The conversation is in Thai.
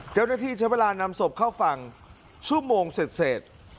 เจ้าหน้าที่ใช้เวลานำศพเข้าฝั่งชั่วโมงเสร็จ